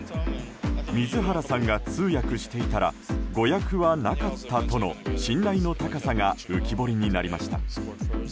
水原さんが通訳していたら誤訳はなかったとの信頼の高さが浮き彫りになりました。